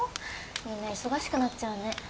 みんな忙しくなっちゃうね。